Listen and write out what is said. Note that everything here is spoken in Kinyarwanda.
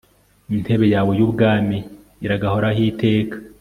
intebe yawe y'ubwami iragahoraho iteka